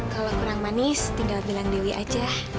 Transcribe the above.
kalau kurang manis tinggal bilang dewi aja